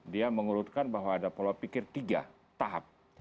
dia mengurutkan bahwa ada pola pikir tiga tahap